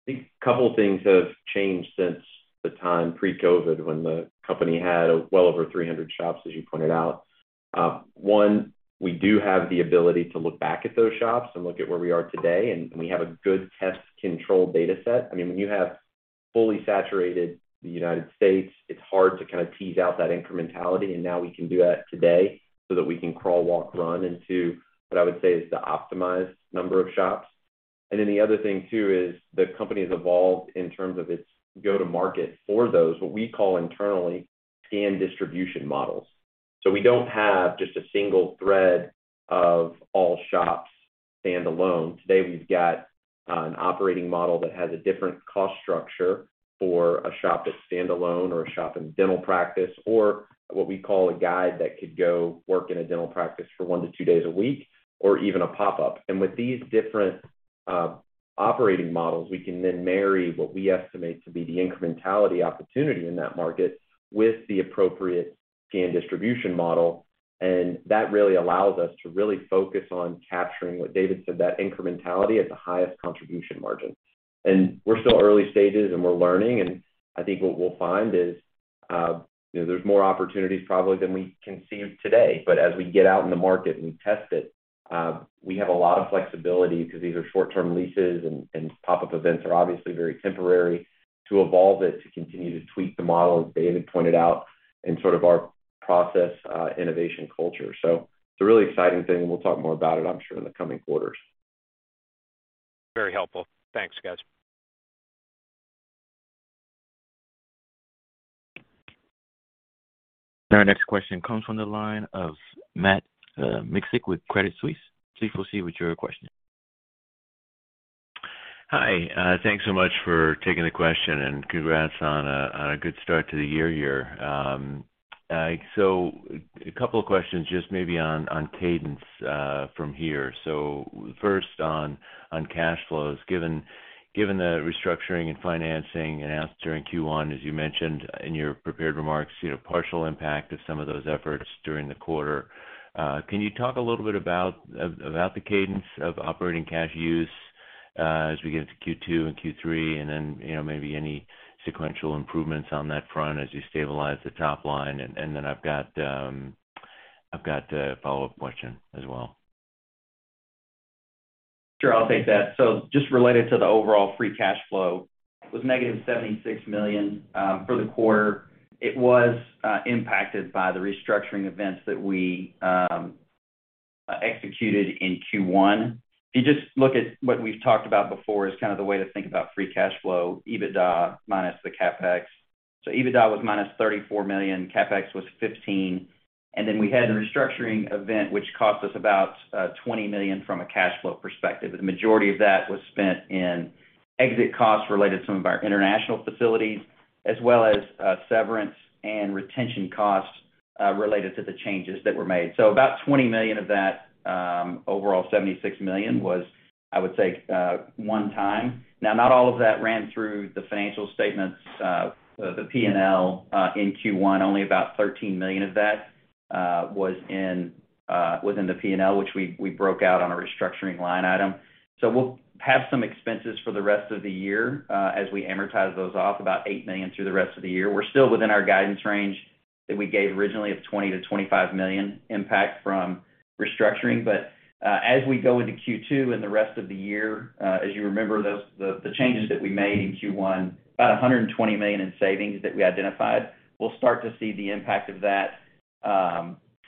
I think a couple things have changed since the time pre-COVID, when the company had well over 300 shops, as you pointed out. One, we do have the ability to look back at those shops and look at where we are today, and we have a good test control data set. I mean, when you have fully saturated the United States, it's hard to kind of tease out that incrementality, and now we can do that today so that we can crawl, walk, run into what I would say is the optimized number of shops. Then the other thing too is the company has evolved in terms of its go-to-market for those, what we call internally scan distribution models. We don't have just a single thread of all shops standalone. Today, we've got an operating model that has a different cost structure for a shop that's standalone or a shop in a dental practice or what we call a guide that could go work in a dental practice for one to two days a week or even a pop-up. With these different operating models, we can then marry what we estimate to be the incrementality opportunity in that market with the appropriate scan distribution model. That really allows us to really focus on capturing what David said, that incrementality at the highest contribution margin. We're still early stages, and we're learning, and I think what we'll find is, you know, there's more opportunities probably than we can see today. As we get out in the market and we test it, we have a lot of flexibility because these are short-term leases and pop-up events are obviously very temporary to evolve it, to continue to tweak the model, as David pointed out, in sort of our process, innovation culture. It's a really exciting thing, and we'll talk more about it, I'm sure, in the coming quarters. Very helpful. Thanks, guys. Our next question comes from the line of Matt Miksic with Credit Suisse. Please proceed with your question. Hi. Thanks so much for taking the question, and congrats on a good start to the year here. A couple of questions just maybe on cadence from here. First on cash flows. Given the restructuring and financing announced during Q1, as you mentioned in your prepared remarks, you know, partial impact of some of those efforts during the quarter, can you talk a little bit about the cadence of operating cash use as we get into Q2 and Q3, and then, you know, maybe any sequential improvements on that front as you stabilize the top line? Then I've got a follow-up question as well. Sure. I'll take that. Just related to the overall free cash flow, it was negative $76 million for the quarter. It was impacted by the restructuring events that we executed in Q1. If you just look at what we've talked about before is kind of the way to think about free cash flow, EBITDA minus the CapEx. EBITDA was minus $34 million, CapEx was $15 million. Then we had the restructuring event, which cost us about $20 million from a cash flow perspective. The majority of that was spent in exit costs related to some of our international facilities, as well as severance and retention costs related to the changes that were made. About $20 million of that overall $76 million was, I would say, one time. Now, not all of that ran through the financial statements, the P&L, in Q1. Only about $13 million of that was within the P&L, which we broke out on a restructuring line item. We'll have some expenses for the rest of the year as we amortize those off, about $8 million through the rest of the year. We're still within our guidance range that we gave originally of $20 million-$25 million impact from restructuring. As we go into Q2 and the rest of the year, as you remember, the changes that we made in Q1, about $120 million in savings that we identified, we'll start to see the impact of that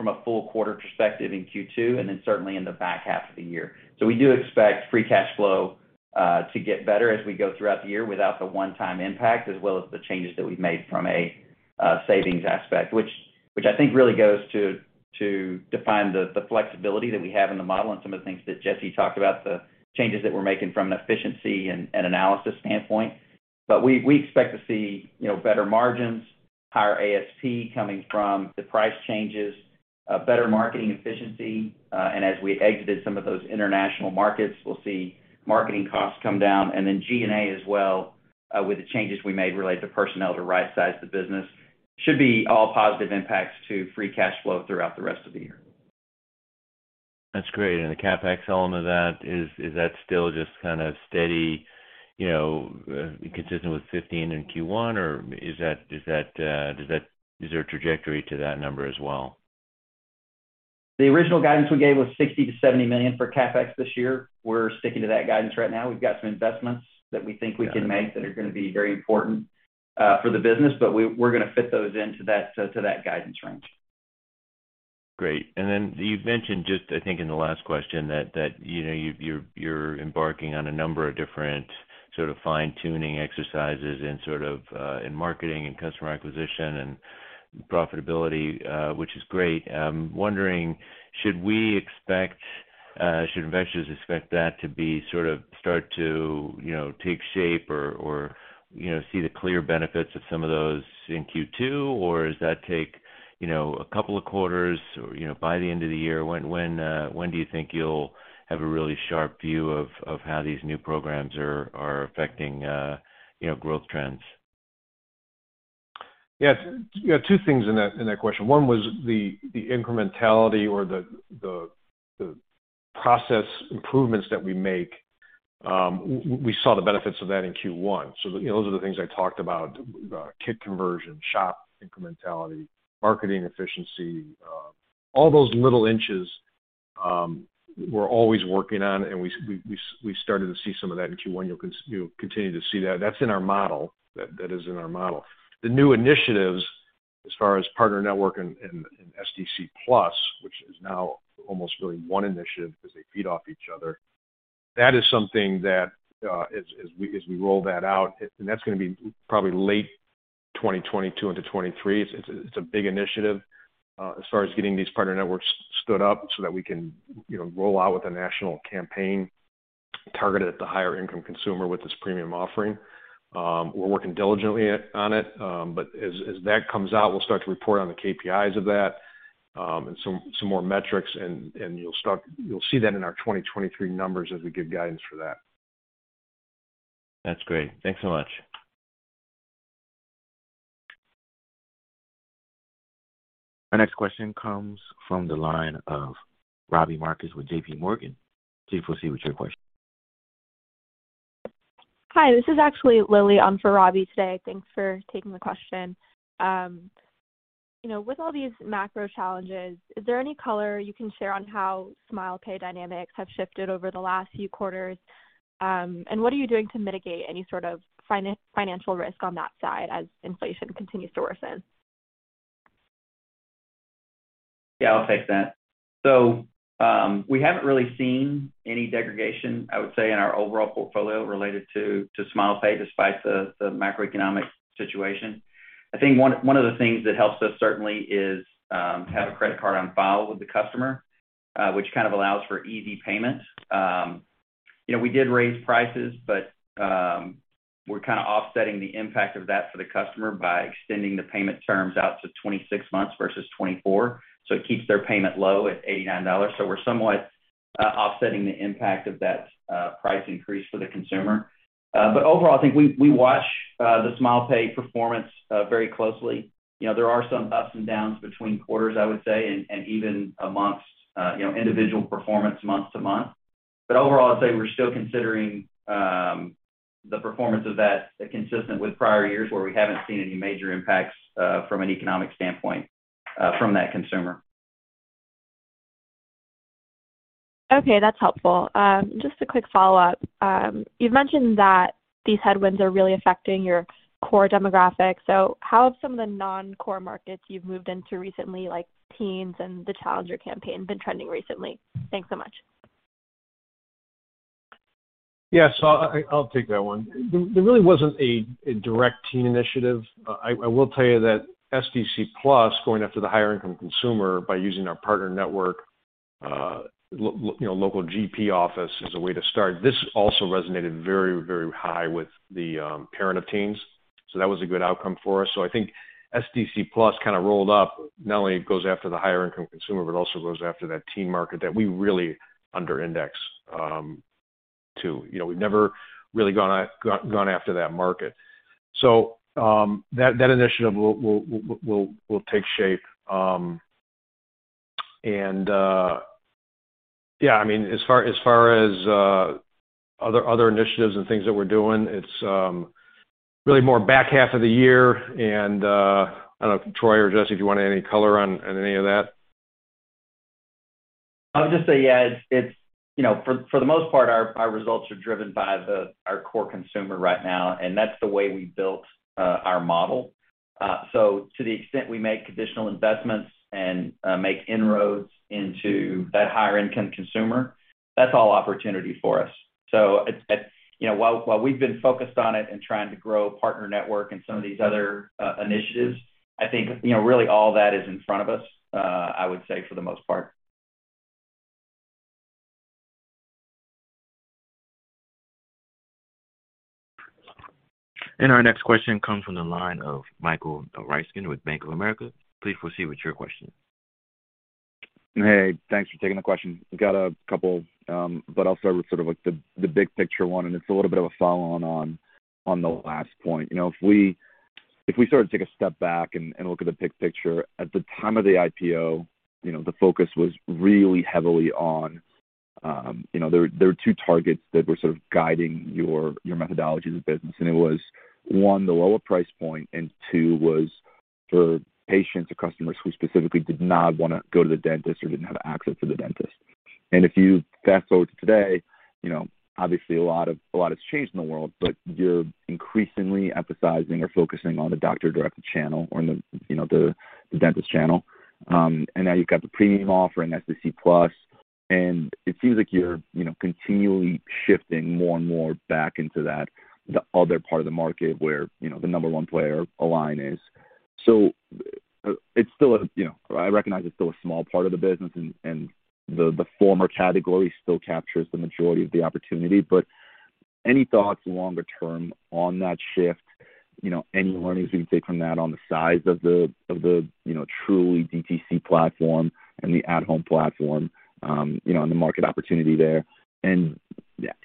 from a full quarter perspective in Q2 and then certainly in the back half of the year. We do expect free cash flow to get better as we go throughout the year without the one-time impact, as well as the changes that we've made from a savings aspect, which I think really goes to define the flexibility that we have in the model and some of the things that Jesse talked about, the changes that we're making from an efficiency and analysis standpoint. We expect to see, you know, better margins, higher ASP coming from the price changes, better marketing efficiency, and as we exited some of those international markets, we'll see marketing costs come down. G&A as well, with the changes we made related to personnel to right-size the business, should be all positive impacts to free cash flow throughout the rest of the year. That's great. The CapEx element of that, is that still just kind of steady, you know, consistent with 15 in Q1? Or is there a trajectory to that number as well? The original guidance we gave was $60 million-$70 million for CapEx this year. We're sticking to that guidance right now. We've got some investments that we think we can make that are gonna be very important for the business, but we're gonna fit those into that, to that guidance range. Great. Then you've mentioned just, I think in the last question that, you know, you're embarking on a number of different sort of fine-tuning exercises in sort of, in marketing and customer acquisition and profitability, which is great. Wondering, should we expect, should investors expect that to be sort of start to, you know, take shape or, you know, see the clear benefits of some of those in Q2? Or does that take, you know, a couple of quarters or, you know, by the end of the year? When do you think you'll have a really sharp view of how these new programs are affecting, you know, growth trends? Yeah. You know, two things in that question. One was the incrementality or the process improvements that we make. We saw the benefits of that in Q1. You know, those are the things I talked about, kit conversion, shop incrementality, marketing efficiency, all those little inches we're always working on, and we started to see some of that in Q1. You'll continue to see that. That's in our model. That is in our model. The new initiatives as far as partner network and SDC Plus, which is now almost really one initiative because they feed off each other, that is something that as we roll that out, and that's gonna be probably late 2022 into 2023. It's a big initiative, as far as getting these partner networks stood up so that we can, you know, roll out with a national campaign targeted at the higher income consumer with this premium offering. We're working diligently on it. As that comes out, we'll start to report on the KPIs of that, and some more metrics, and you'll see that in our 2023 numbers as we give guidance for that. That's great. Thanks so much. Our next question comes from the line of Robbie Marcus with J.P. Morgan. Please proceed with your question. Hi, this is actually Lily on for Robbie today. Thanks for taking the question. You know, with all these macro challenges, is there any color you can share on how SmilePay dynamics have shifted over the last few quarters? What are you doing to mitigate any sort of financial risk on that side as inflation continues to worsen? Yeah, I'll take that. We haven't really seen any degradation, I would say, in our overall portfolio related to SmilePay despite the macroeconomic situation. I think one of the things that helps us certainly is have a credit card on file with the customer, which kind of allows for easy payment. You know, we did raise prices, but we're kind of offsetting the impact of that for the customer by extending the payment terms out to 26 months versus 24. It keeps their payment low at $89. We're somewhat offsetting the impact of that price increase for the consumer. Overall, I think we watch the SmilePay performance very closely. You know, there are some ups and downs between quarters, I would say, and even amongst, you know, individual performance month to month. Overall, I'd say we're still considering the performance of that consistent with prior years where we haven't seen any major impacts from an economic standpoint from that consumer. Okay, that's helpful. Just a quick follow-up. You've mentioned that these headwinds are really affecting your core demographics. How have some of the non-core markets you've moved into recently, like teens and the Challenger campaign, been trending recently? Thanks so much. Yeah. I'll take that one. There really wasn't a direct teen initiative. I will tell you that SDC Plus going after the higher income consumer by using our partner network, you know, local GP office as a way to start. This also resonated very, very high with the parent of teens. That was a good outcome for us. I think SDC Plus kind of rolled up not only goes after the higher income consumer, but also goes after that teen market that we really under index to. You know, we've never really gone after that market. That initiative will take shape. Yeah, I mean, as far as other initiatives and things that we're doing, it's really more back half of the year. I don't know if Troy or Jesse, if you want any color on any of that. I'll just say, yeah, it's you know for the most part, our results are driven by our core consumer right now, and that's the way we built our model. So to the extent we make additional investments and make inroads into that higher income consumer, that's all opportunity for us. So it's you know while we've been focused on it and trying to grow partner network and some of these other initiatives, I think you know really all that is in front of us, I would say for the most part. Our next question comes from the line of Michael Ryskin with Bank of America. Please proceed with your question. Hey, thanks for taking the question. Got a couple, but I'll start with sort of, like the big picture one, and it's a little bit of a follow-on on the last point. You know, if we sort of take a step back and look at the big picture, at the time of the IPO, you know, the focus was really heavily on, you know, there are two targets that were sort of guiding your methodology as a business, and it was, one, the lower price point, and two was for patients or customers who specifically did not wanna go to the dentist or didn't have access to the dentist. If you fast-forward to today, you know, obviously a lot has changed in the world, but you're increasingly emphasizing or focusing on the doctor-directed channel or the, you know, the dentist channel. Now you've got the premium offering, SDC Plus, and it seems like you're, you know, continually shifting more and more back into that, the other part of the market where, you know, the number one player Align is. It's still a, you know, I recognize it's still a small part of the business and the former category still captures the majority of the opportunity. Any thoughts longer term on that shift? You know, any learnings we can take from that on the size of the, you know, truly DTC platform and the at-home platform, you know, and the market opportunity there. You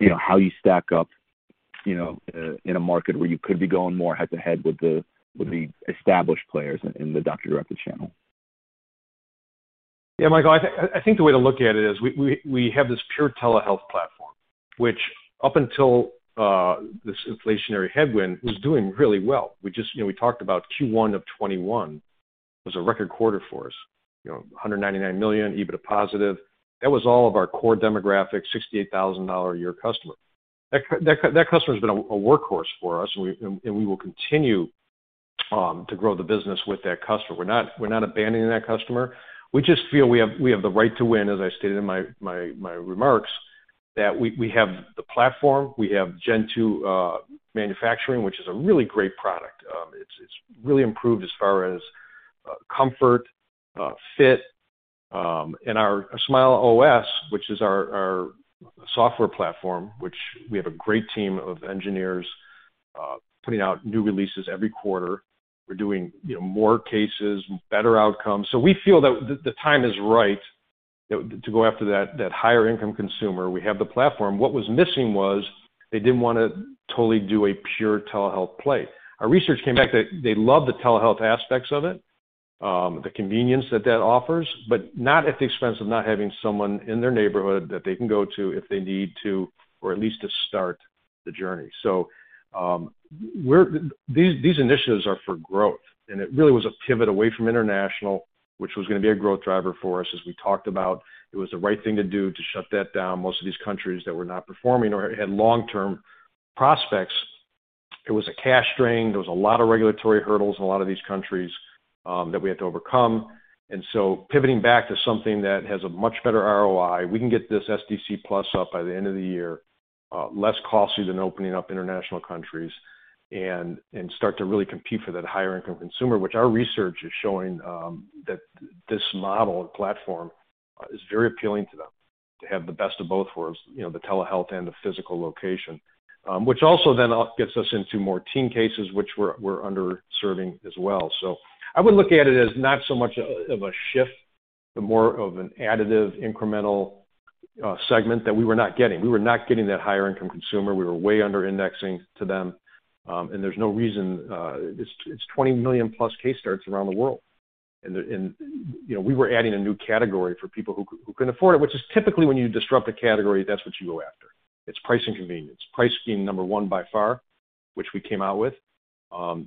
know, how you stack up, you know, in a market where you could be going more head-to-head with the established players in the doctor-directed channel? Yeah, Michael, I think the way to look at it is we have this pure telehealth platform, which up until this inflationary headwind was doing really well. We just, you know, we talked about Q1 of 2021. It was a record quarter for us. You know, $199 million, EBITDA positive. That was all of our core demographic, $68,000-a-year customer. That customer has been a workhorse for us, and we will continue to grow the business with that customer. We're not abandoning that customer. We just feel we have the right to win, as I stated in my remarks, that we have the platform, we have Gen 2 manufacturing, which is a really great product. It's really improved as far as comfort, fit, and our SmileOS, which is our software platform, which we have a great team of engineers putting out new releases every quarter. We're doing, you know, more cases, better outcomes. We feel that the time is right to go after that higher income consumer. We have the platform. What was missing was they didn't wanna totally do a pure telehealth play. Our research came back that they love the telehealth aspects of it, the convenience that that offers, but not at the expense of not having someone in their neighborhood that they can go to if they need to or at least to start the journey. These initiatives are for growth, and it really was a pivot away from international, which was gonna be a growth driver for us as we talked about. It was the right thing to do to shut that down. Most of these countries that were not performing or had long-term prospects, it was a cash drain. There was a lot of regulatory hurdles in a lot of these countries that we had to overcome. Pivoting back to something that has a much better ROI, we can get this SDC Plus up by the end of the year, less costly than opening up international countries and start to really compete for that higher income consumer, which our research is showing, that this model and platform is very appealing to them to have the best of both worlds, you know, the telehealth and the physical location. Which also then gets us into more teen cases, which we're underserving as well. I would look at it as not so much of a shift, but more of an additive incremental segment that we were not getting. We were not getting that higher income consumer. We were way under-indexing to them. There's no reason, it's 20 million+ case starts around the world. You know, we were adding a new category for people who can afford it, which is typically when you disrupt a category, that's what you go after. It's price and convenience. Price being number one by far, which we came out with.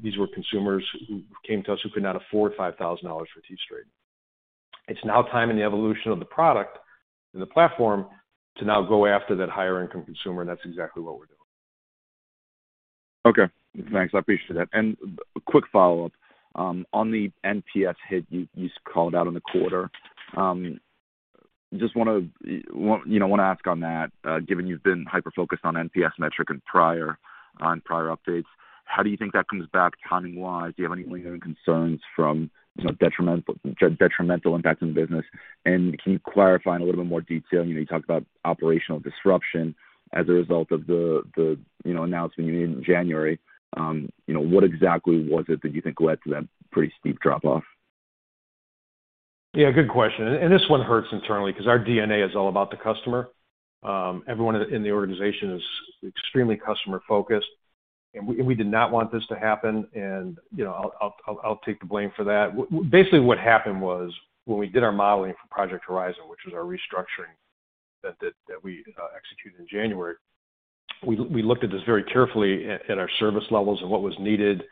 These were consumers who came to us who could not afford $5,000 for Invisalign. It's now time in the evolution of the product and the platform to now go after that higher income consumer, and that's exactly what we're doing. Okay, thanks. I appreciate that. A quick follow-up. On the NPS hit you called out on the quarter. Just wanna ask on that, you know, given you've been hyper-focused on NPS metric in prior updates, how do you think that comes back timing-wise? Do you have any lingering concerns from, you know, detrimental impact on the business? Can you clarify in a little bit more detail? You know, you talked about operational disruption as a result of the, you know, announcement you made in January. You know, what exactly was it that you think led to that pretty steep drop-off? Yeah, good question. This one hurts internally 'cause our DNA is all about the customer. Everyone in the organization is extremely customer-focused, and we did not want this to happen. You know, I'll take the blame for that. Well, basically what happened was when we did our modeling for Project Horizon, which was our restructuring that we executed in January, we looked at this very carefully at our service levels and what was needed.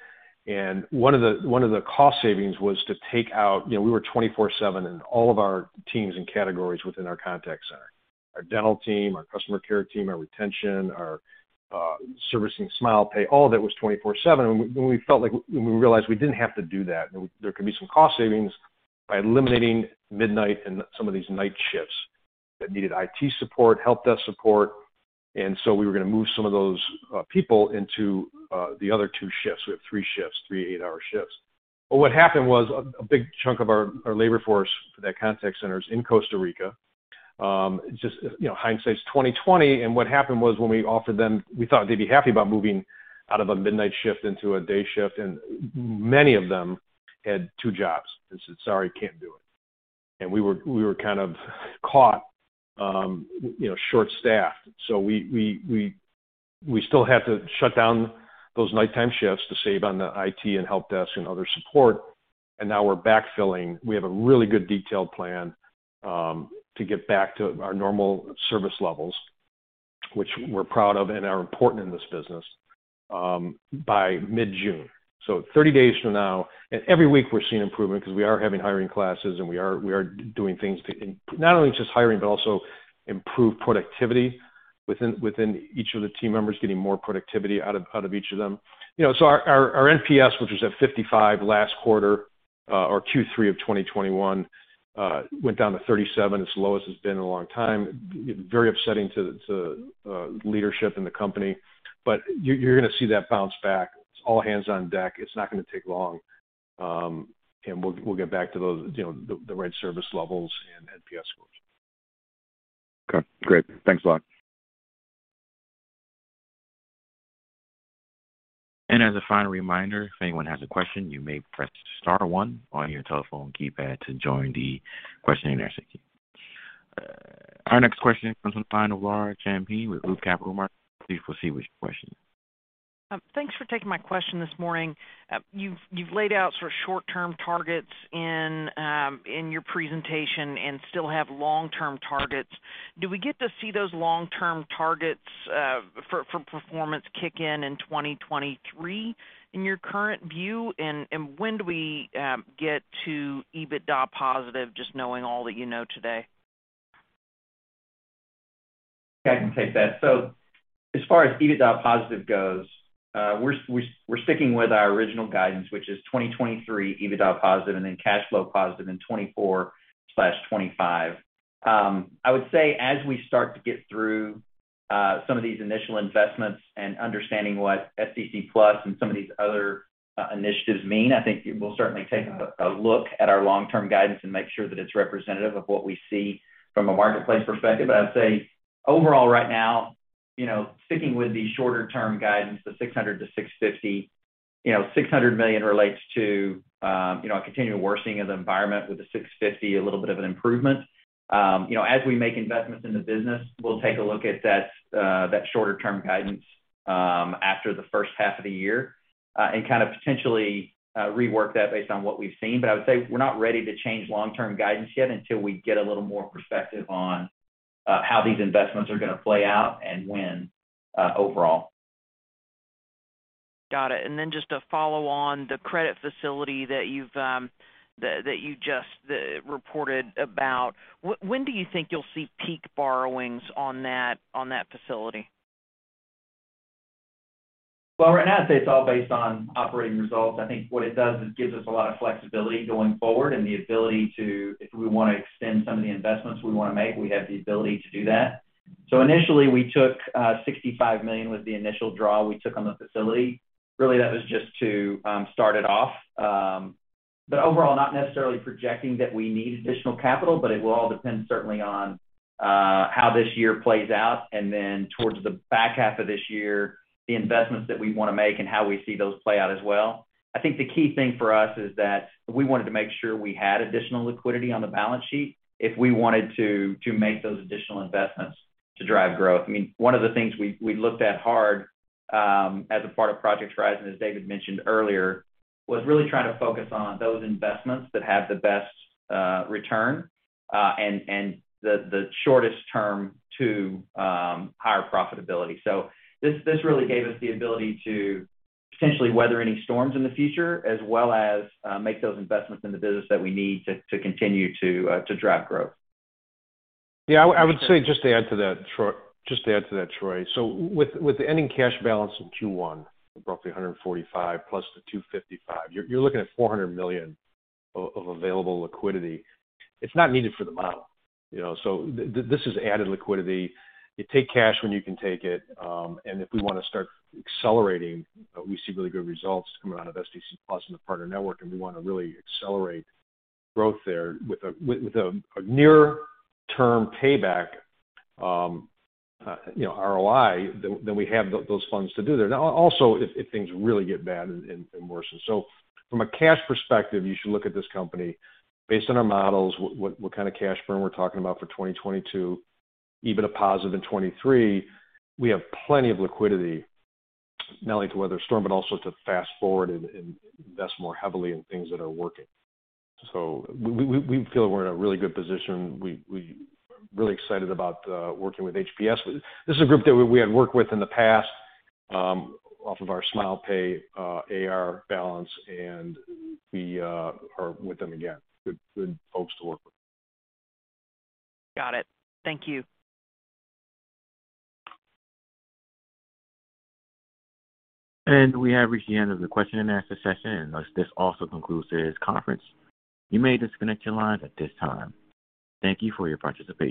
One of the cost savings was to take out. You know, we were 24/7 in all of our teams and categories within our contact center. Our dental team, our customer care team, our retention, our servicing SmilePay, all of it was 24/7. When we realized we didn't have to do that, and there could be some cost savings by eliminating midnight and some of these night shifts that needed IT support, help desk support. We were gonna move some of those people into the other two shifts. We have three shifts, three eight-hour shifts. What happened was a big chunk of our labor force for that contact center is in Costa Rica. Just, you know, hindsight's 20/20, and what happened was when we offered them, we thought they'd be happy about moving out of a midnight shift into a day shift, and many of them had two jobs and said, "Sorry, can't do it." We were kind of caught, you know, short-staffed. We still had to shut down those nighttime shifts to save on the IT and help desk and other support. Now we're backfilling. We have a really good detailed plan to get back to our normal service levels, which we're proud of and are important in this business, by mid-June. 30 days from now. Every week we're seeing improvement because we are having hiring classes and we are doing things to not only just hiring, but also improve productivity within each of the team members, getting more productivity out of each of them. You know, our NPS, which was at 55 last quarter, or Q3 of 2021, went down to 37, its lowest it's been in a long time. Very upsetting to the leadership in the company. You, you're gonna see that bounce back. It's all hands on deck. It's not gonna take long. We'll get back to those, you know, the right service levels and NPS scores. Okay, great. Thanks a lot. As a final reminder, if anyone has a question, you may press star one on your telephone keypad to join the question and answer queue. Our next question comes on the line of John Baumann with Baird Capital Markets. Please proceed with your question. Thanks for taking my question this morning. You've laid out sort of short-term targets in your presentation and still have long-term targets. Do we get to see those long-term targets for performance kick in in 2023 in your current view? When do we get to EBITDA positive, just knowing all that you know today? I can take that. As far as EBITDA positive goes, we're sticking with our original guidance, which is 2023 EBITDA positive and then cash flow positive in 2024/2025. I would say as we start to get through some of these initial investments and understanding what SDC Plus and some of these other initiatives mean, I think we'll certainly take a look at our long-term guidance and make sure that it's representative of what we see from a marketplace perspective. I'd say overall right now, you know, sticking with the shorter term guidance, the $600-$650, you know, $600 million relates to a continuing worsening of the environment with the $650, a little bit of an improvement. You know, as we make investments in the business, we'll take a look at that short-term guidance after the first half of the year and kind of potentially rework that based on what we've seen. I would say we're not ready to change long-term guidance yet until we get a little more perspective on how these investments are gonna play out and when overall. Just to follow on the credit facility that you just reported about. When do you think you'll see peak borrowings on that facility? Well, right now, I'd say it's all based on operating results. I think what it does is gives us a lot of flexibility going forward and the ability to, if we wanna extend some of the investments we wanna make, we have the ability to do that. Initially, we took $65 million was the initial draw we took on the facility. Really, that was just to start it off. But overall, not necessarily projecting that we need additional capital, but it will all depend certainly on how this year plays out. Towards the back half of this year, the investments that we wanna make and how we see those play out as well. I think the key thing for us is that we wanted to make sure we had additional liquidity on the balance sheet if we wanted to make those additional investments to drive growth. I mean, one of the things we looked at hard, as a part of Project Horizon, as David mentioned earlier, was really trying to focus on those investments that have the best return and the shortest term to higher profitability. This really gave us the ability to potentially weather any storms in the future as well as make those investments in the business that we need to continue to drive growth. Yeah, I would say just to add to that, Troy. With the ending cash balance in Q1 of roughly $145 plus the $255, you're looking at $400 million of available liquidity. It's not needed for the model, you know. This is added liquidity. You take cash when you can take it. If we wanna start accelerating, we see really good results coming out of SDC Plus and the partner network, and we wanna really accelerate growth there with a near-term payback, you know, ROI, then we have those funds to do that. Now, also if things really get bad and worsen. From a cash perspective, you should look at this company based on our models, what kind of cash burn we're talking about for 2022, EBITDA positive in 2023. We have plenty of liquidity not only to weather the storm, but also to fast-forward and invest more heavily in things that are working. We feel we're in a really good position. We really excited about working with HPS. This is a group that we had worked with in the past, off of our SmilePay AR balance, and we are with them again. Good folks to work with. Got it. Thank you. We have reached the end of the question and answer session. Thus this also concludes today's conference. You may disconnect your lines at this time. Thank you for your participation.